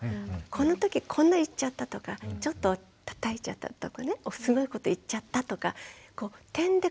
このときこんな言っちゃったとかちょっとたたいちゃったとかねすごいこと言っちゃったとか点で影響を考える。